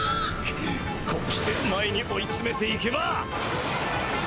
こうして前に追いつめていけば。